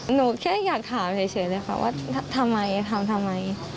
หนูแค่อยากถามเฉยเลยค่ะว่าทำไมทำทำไม